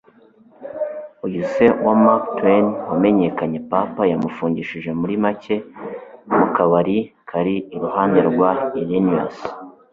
Uyu se wa Mark Twain wamenyekanye "Pap" yamufungishije muri make mu kabari kari ku ruhande rwa Illinois